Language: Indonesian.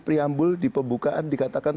priambul di pembukaan dikatakan